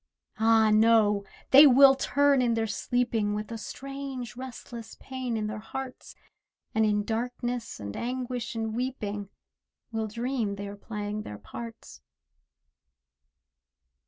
Ah, no! they will turn in their sleeping With a strange restless pain in their hearts, And in darkness, and anguish, and weeping, Will dream they are playing their parts.